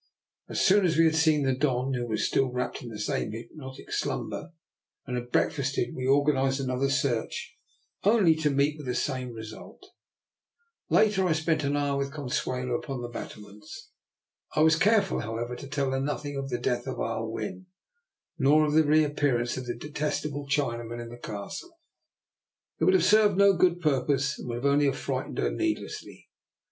As soon as we had seen the Don, who was still wrapped in the same hypnotic slumber, and had breakfasted, we organized another search, only to meet with the same result. Later, I DR, NIKOLA'S EXPERIMENT. 287 spent an hour with Consuelo upon the bat tlements. I was careful, however, to tell her nothing of the death of Ah Win, nor of the reappearance of the detestable Chinaman in the Castle. It would have served no good purpose, and would only have frightened her needlessly.